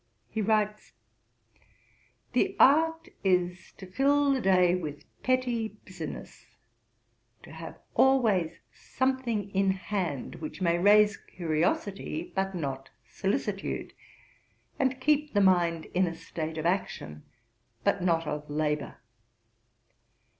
He writes: 'The art is to fill the day with petty business, to have always something in hand which may raise curiosity, but not solicitude, and keep the mind in a state of action, but not of labour.